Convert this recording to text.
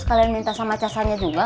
sekalian minta sama casannya juga